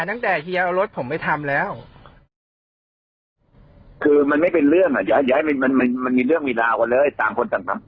อย่าให้มันมีอยู่เรื่องเวลากว่าเลยต่างคนต่างควร